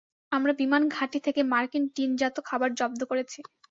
আমরা বিমান ঘাঁটি থেকে মার্কিন টিনজাত খাবার জব্দ করেছি।